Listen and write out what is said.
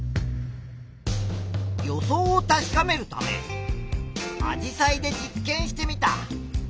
予想を確かめるためアジサイで実験してみた。